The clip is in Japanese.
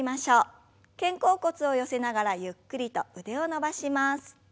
肩甲骨を寄せながらゆっくりと腕を伸ばします。